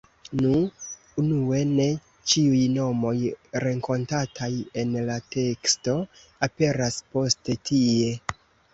Nu, unue ne ĉiuj nomoj renkontataj en la teksto aperas poste tie.